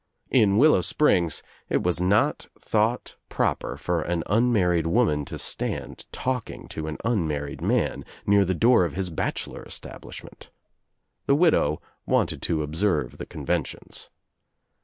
In Willow Springs it was not thought proper for an unmarried woman to stand talking to an un married man near the door of his bachelor establish ment. The widow wanted to observe the conventions.